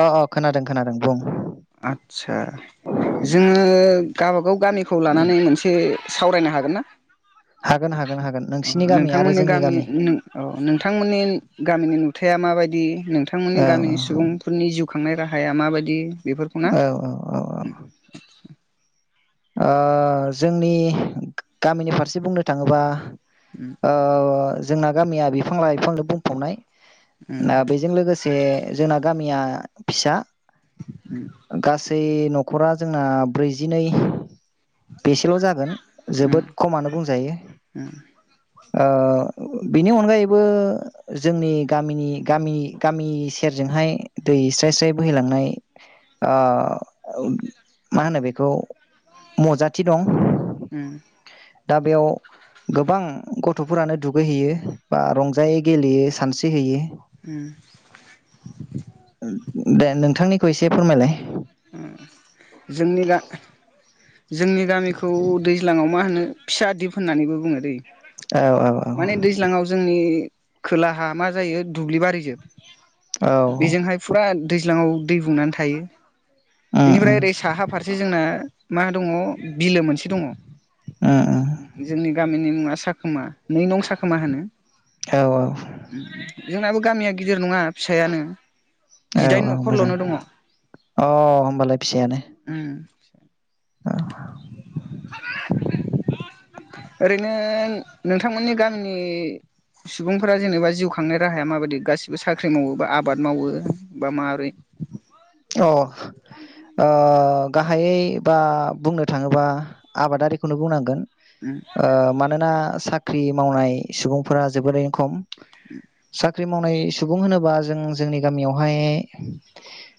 अ अ खोनादों। खोनादों बुं आदसा जोङो गबागाव गामिखौ लानानै मोनसे सावरायनो हागोन ना हागोन हागोन हागोन अ नोंसिनि गामि आरो नोंथांमोननि जोंनि गामि अ नोंथांमोननि गामिनि खोथाया माबायदि नोंथांमोननि औ गामिनि सुबुंफोरनि जिउ खुखांनाय राहाया माबायदि बेफोरखौ ना? औ औ औ ओ जोंनि गामिनि फारसे बुंनो थाङोबा ओ जोंना गामिया बिफां लाइफांजों बुंफबनाय उम दा बेजों लोगोसे जोंना गामिया फिसा उम गासै नखरा जोंना ब्रैजिनै। [inaudible] बेसेल जागोन उम जोबोद खमानो बुंजायो ओ बिनि अनगायैबो जोंनि गामिनि गामि गामि सेरजोंहाय दै स्राय स्राय बोहैलांनाय ओ मा होनो बेखौ मजाथि दं ओम दा बेयाव गोबां गथ'फोरानो दुगैहैयो बा रंजायै गेलेयो सानस्रिहैयो उम दे नोंथांनिखौ एसे फोरमायलाय जोंनि दा जोंनि गामिखौ दैज्लां आव मा होनो फिसा दिप होननानैबो बुङो दैे। औ माने औ दैज्लाङाव जोंनि खोलाहा मा जायो दुब्लिबारिजों औ बेजोंहाय फुरा दैज्लाङाव दै बुंनानै थायो। उम बिनिफ्राय ओरै उम साहा फारसे जोंना मा दङ बिलो मोनसे दङ उम जोंनि गामिनि मुङा सा खोमा नै नं सा खोमा होनो। औ जोंनाबो गामिया गिदिर नङा फिसायानो औ जिदाइन औ मोजां न'खरल'नो दङ अ होमबालाय फिसायानो। उम औ। ओरैनो नोंथांमोननि गामिनि सुबुंफोरा जेनेबा जिउ खांनाय राहाया माबायदि गासिबो साख्रि मावो बा आबाद मावो बा माबोरै? अ ओ गाहायै बा बुंनो थाङोबा आबादारिखौनो बुंनांगोन। उम ओ मानोना साख्रि मावनाय सुबुंफोरा जोबोरैनो खम सात साख्रि मावनाय सुबुं होनोबा जों जोंनि गामियावहाय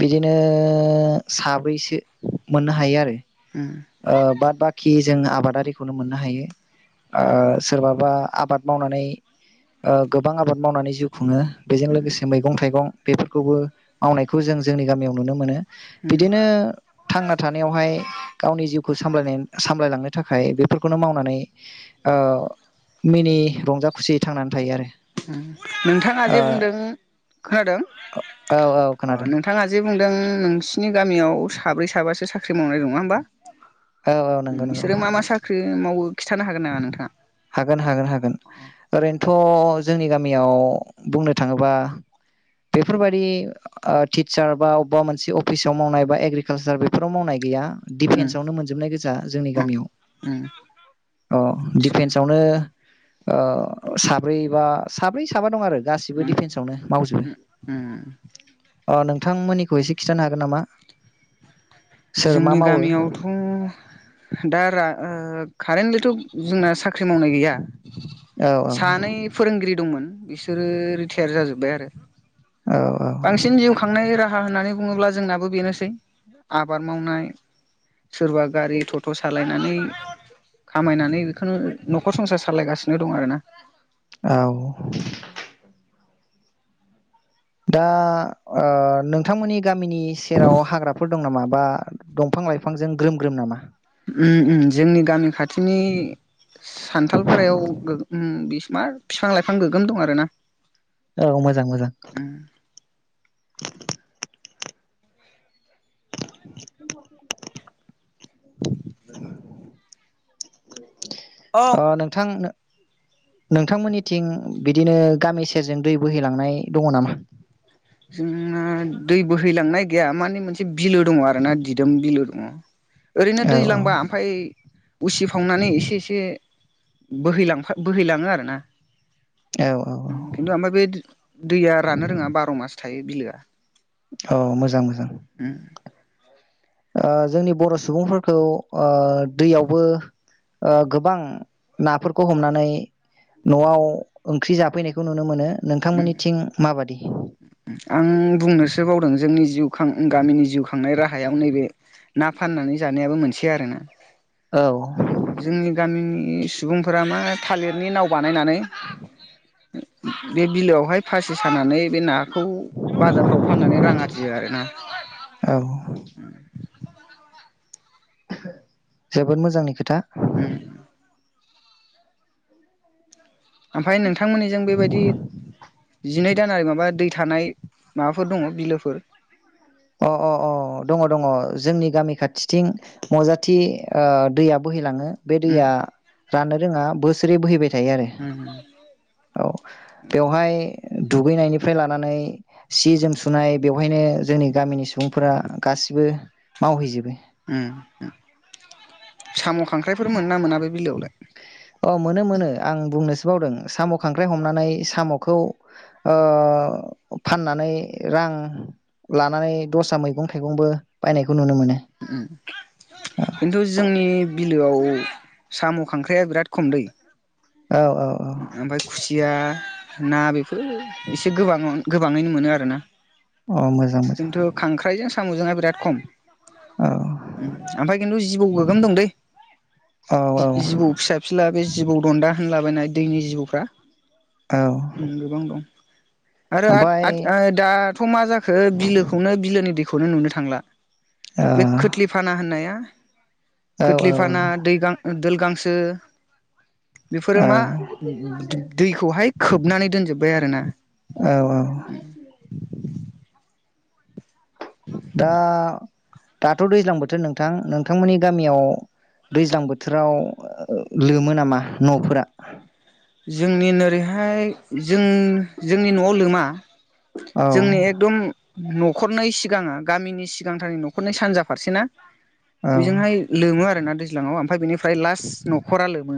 बिदिनो साबैसे मोननो हायो आरो। उम ओ बाद बाखि जों आबादारिखौनो मोननो हायो। ओ सोरबाबा आबाद मावनानै गोबां आबाद मावनानै जिउ खुङो। बेजों लोगोसे मैगं-थाइगं बेफोरखौबो मावनायखौ जों जोंनि गामियाव नुनो मोनो। उम बिदिनो थांना थानायावहाय गावनि जिउखौ सामाय सामलायलांनो थाखाय बेफोरखौनो मावनानै ओ मिनि रंजा खुसियै थांनानै थायो आरो। उम नोंथांङा जे बुंदों खोनादों ओ औ औ खोनादों नोंथांङा जे बुंदों नोंसिनि गामियाव साब्रै साबासो साख्रि मावनाय दं नङा होमबा? औ औ नंगौ उम नंगौ बिसोरो मा मा साख्रि मावो खिथानो होन नामा नोंङा हागोन हागोन हागोन ओरैनोथ थ जोंनि गामियाव बुंनो थांङोबा बेफोरबायाददि ओ टिचार बा अबेबा मोनसे अफिसाव मावनाय बा एग्रिकालसार बेफोराव मावनाय गैया। उम डिपेन्स आवनो मोनजोबनाय गोजा जोंनि अ गामियाव उम अ आदसा डिपेन्स ओ साब्रै बा साब्रै साबा दं आरो गासिबो उम डिफेन्सआवनो मावजोबो । उम अ नोंथांमोननिखौ एसे खिन्थानो हागोन नामा? सोर मा जोंनि मावो गामियावथ दारा ओ कारेन्टलिथ जोंना साख्रि मावनाय गैया। औ औ सानै फोरोंगिरि दंमोन। बिसोरो रिटायार जाजोब्बाय आरो। औ बांसिन जिउ खांनाय राहा होननानै बुङोब्ला जोंनाबो बेनोसै। आबाद मावनाय सोरबा गारि थट' सालायनानै खामायनानै बेखोनो नखर संसार सालायगासिनो दं आर ना । औ दा ओ नोंथांमोननि गामिनि सेराव हाग्राफोर दं नामा बा दंफां लाइफांजों ग्रोम ग्रोम नामा? ओम ओम जोंनि गामि खाथि थिनि सान्थालफारायाव गो उम बि मा बिफां लाइफां गोगोम दं आरो ना। औ मोजां मोजां [inaudible] [inaudible] औ [inaudible] ओ नोंथां नोंथांमोननिथिं बिदिनो गामि सेरजों दै बोहैलांनाय दङ नामा? जोंना दै बोहैलांनाय गैया माने मोनसे बिलो दंङ आरोना दिदोम बिलो दंङ। ओरैनो औ दैज्लांबा ओमफाय उसिफावनानै इसे इसे बोहैलांफा बोहैलाङो आरोना । औ औ उम किन्तु ओमफाय बे द-दैया राननो रोङा बार' मास। थायो बिलोआ औ मोजां मोजां उम ओ जोंनि बर सुबुंफोरखौओ दैयावबो गोबां नाफोरखौ हमनानै नआव ओंख्रि जाफैनायखौ नुनो मोनो नोंथांमोननिथिं माबादि? [inaudible] आं बुंनोसो बावदों जोंनि जिउ खां गामिनि जिउ खांनाय राहायाव नैबे ना फाननानै जानायाबो मोनसे आरोना औ जोंनि गामिनि नि सुबुंफोरा मा थालिरनि नाव बानायनानै बे बिलोआवहाय फासि सानानै बे ना बेखौ बाजारफ्राव फाननानै रां आरजियो आरो ना। औ उम जोबोद मोजांनि खो उम ओमफाय नोंथांमोननिजों बेबायदि जिनै जानाय माबा दै थानाय माबाफोर दङ बिलोफोर? अ अ अ दङ दङ जोंनि गामि खाथिथिं मजाथि ओ दैया बोहैलाङो । बे उम दैया राननो रोङा बोसोर जि बोहैबाय थायो आरो उम औ बेवहाय दुगैनायनिफ्राय लानानै सि जोम सुनाय बेवहायनो जोंनि गामिनि सुबुंफोरा गासिबो मावहैजोबो। उम साम' खांख्राइफोर मोनो ना मोना बे बिलोआवलाय? अ मोनो मोनो आं बुंनोसो बावदों साम खांख्राइ हमनानै सामखौ ओ फाननानै रां लानानै दस्रा मैगं-थाइगंबो बायनाय उम खिन्थु जोंनि बिलोआव साम' खांख्राइआ बिराद खमदै। औ औ औ ओ ओमफाय खुसिया ना बेफोरो एसे गोबां गोबाङैनो मोनो आरोना। औ मोजां मोजां खिन्थु खांख्रायजों सा साम'जोंय बिराद खम। औ उम ओमफाय किन्तु जि जिबौ गोगोम दं दै । औ जि औ जिबौ फिसा फिला बे जि जिबौ दन्दा होनलाबायनाय दैनि जिबौफ्रा औ [unintelligible] आरो आथ ओमफ्राय आथ ओ दाथ मा जाखो बिलोखौनो बिलोनि दै खौनो नुनो थांला। ओ बे खोथलि फाना होननाया औ खोथलिफाना दै गां दोल गांसो औ बेफोरो मा दैखौहाय खोबनानै दोनजोब्बाय आरो ना। औ औ दा दाथ दैज्लां बोथोर नोंथां नोंथांमोननि गामियाव दैज्लां बोथोराव लोमो नामा न'फोरा? जोंनि नोरैहाय जों जोंनि नआव लोमा औ जोंनि एकदम न'खरनै सिगाङा गामिनि सिगांथारनि न'खरनै सानजा फारसे ना? औ बेजोंहाय लोमो आरोना दै ज्लाङाव ओमफ्राय बेनिफ्राय लास्ट नखरा लोमो।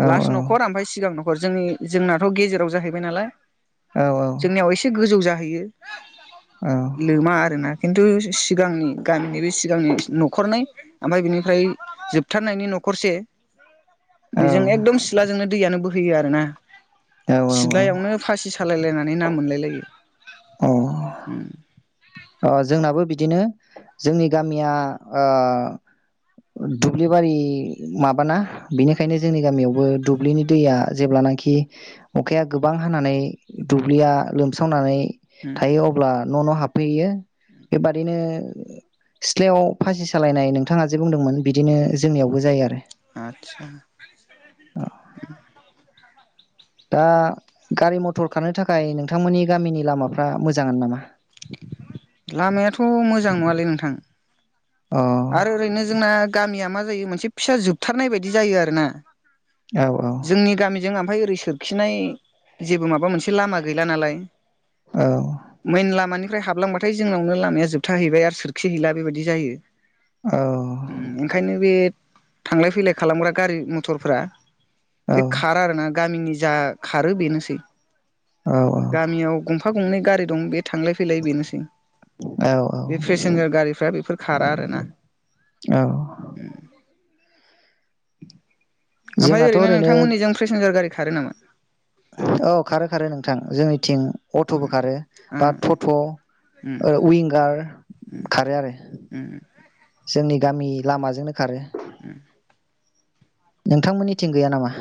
औ औ खर आमफाय सिगां न जोंनि जोंनाथ गेजेराव जाहैबाय नालाय औ जोंनियाव एसे गोजौ जा हैयो। औ लोमा आरोना। खिन्थु सिगांनि गामिनि बै सिगांनि न'खरनै ओमफाय बिनिफ्राय जोबथारनायनि न'खरसे बेजों एकदम सि थ्लाजोंनो दैयानो बोहैयो आरो ना औ सिथ्लायावनो फासि सालायलायनानै ना मोनलाय लायो। ओ जोंनाबो बिदिनो जोंनि गामिया ओ दुब्लिबारि माबाना बिनिखायनो जोंनि गामियावबो दुब्लिनि दैया जेब्लानाखि अखाया गोबां हानानै दुब्लिया लोमसावनानै उम थायो अब्ला न' न' हाब बेयो बे बादिनो। सिथ्लायाव फासि सालायनाय नोंथाङा जे बुंदोंमोन बिदिनो जोंनियावबो जायो आरो आदसा दा गारि मथर खारनो थाखाय नोंथांमोननि गामिनि लामाफ्रा मोजां नामा? लामायाथ मोजां नङालै नोंथां। अ आरो ओरैनो जोंना गामिया मा जायो मोनसे फिसा जोबथारनाय बायदि जायो आरो ना। औ जोंनि गामिजों ओमफाय ओरै खिनाय जेबो माबा मोनसे लामा गैला नालाय। औ मेन लामानि ओमफ्राय हाबलांबाथाय जोंनावनो लामाया जोबथा हैबाय आरो सोरखिहैला बेबायदि जायो। ओंखायनो बे थांलाय फैलाय खालामग्रा गारि मथरफ्रा औ बे खारा आरोना गामिनि जा खारो बेनोसै। औ गामियाव गं गंफा गंनै गारि दं बे थांलाय फैलाय बेनोसै। औ बे पेसेन्जार गारिफ्रा बेफोर खारा। ना औ उम [inaudible] जोंनाथ ओरैनो नोंथांमोननिजों पेसेन्जार गारि खारो नामा औ खारो खारो नोंथां जोंनिथिं अटबो खारो, ओ बा टट ओ उम उइनगार खारो आरो। उम जोंनि गामि लामाजोंनो खारो। उम नोंथांमोननिथिं गैया नामा?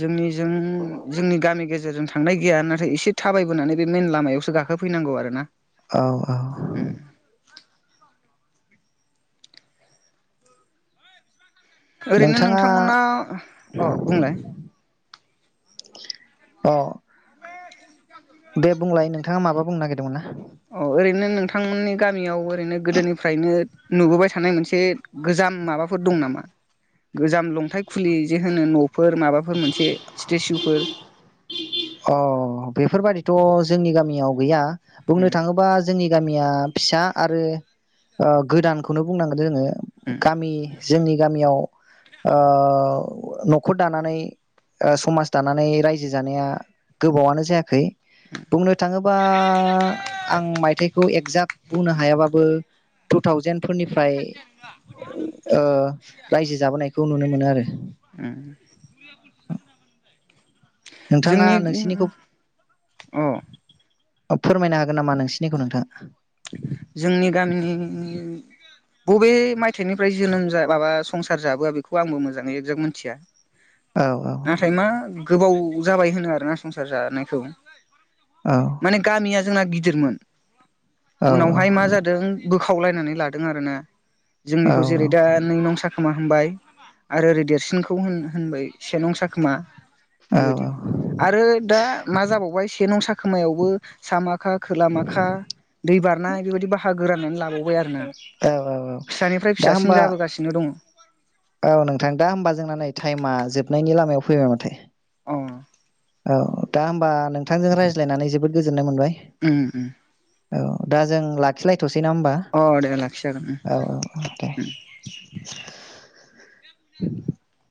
जोंनिजों जोंनि गामि गेजेरजों थांनाय गैया नाथाय एसे थाबायबोनानै बे मेन लामायावसो गाखोफैनांगौ आरो ना। औ औ। ओरैनो नोंथाङा नोंथांमोना अ बुंलाय। अ। दे बुंलाय नोंथाङा माबा बुंनो नागिरदोंमोन ना? अ ओरैनो नोंथांमोननि गामियाव ओरैनो गोदोनिफ्रायनो नुबोबाय थानाय मोनसे गोजाम माबाफोर दं नामा? गोजाम लंथायाइ खुलि जे होनो न फोर माबाफोर मोनसे स्टेसुफोर। अ बेफोर बाइदिथ जोंनि गामियाव गैया। बुंनो उम थाङोबा जोंनि गामिया फिसा आरो गोदानखौनो बुंनांगोन जोङो। उम गामि। जोंनि गामियाव ओ न'खर दानानै समाज दानानै रायजो जानाया गोबावानो जायाखै। बुंनो थाङोबा आं मायथाइखौ एगजाग बुंनो हायाबाबो टु थावजेेन फोरनिफ्राय ओ रायजो जाबोनायखौ नुनो मोनो आरो। उम नोंथाङा जोंनि नोंसिनिखौ अ अ फोरमायनो हागोन नामा नोंसिनिखौ नोंथाङा? जोंनि गामिनि बबे मायथाइनिफ्राय जोनोम जा माबा संसार जाबोआ बेखौ आंबो मोजाङै जोब मिथिया । औ नाथाय मा गोबाव जाबाय होनो आरोना संसार जानायखौ । औ माने गामिया जोंना गि दिरमोन। औ उनावहाय औ मा जादों बोखाव खावलायनानै लादों आरोना । औ जोंनिखौ जेरै दा नोंनाव साखोमा हामबाय आरो ओरै देरसिनखौ होन होनबाय सेनं सा खोमा । औ बेबायदि आरो दा मा जाबावबाय सेनाव सा खोमायावबो सामाखा खोला माखा दै बारना बेबायदि बाहाग गो राननानै लाबावो बाय आरोना औ औ औ फिसानिफ्राय दा फिसासिन होमबा जाबोगासिनो दङ । औ नोंथां दा होमबा जोंना नै टाइमा जोबनायनि लामायाव फैबाय माथो । औ औ दा होमबा नोंथांजों रायज्लायनानै जोबोद नो मोनबाय उम उम । औ दा जों लाखिलाय थसै ना होमबा? अ दे लाखिजागोन औ औ औ दे । [inaudible]